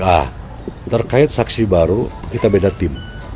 nah terkait saksi baru kita beda tim